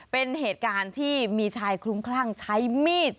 เป็นเหตุการณ์ที่มีชายคลุ้มคลั่งใช้มีด